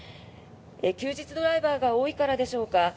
休日ドライバーが多いでしょうか